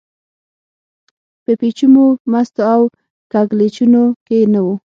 په پېچومو، مستو او کږلېچونو کې نه و.